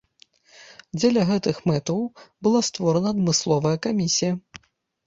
Дзеля гэтых мэтаў была створана адмысловая камісія.